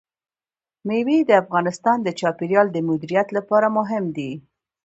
مېوې د افغانستان د چاپیریال د مدیریت لپاره مهم دي.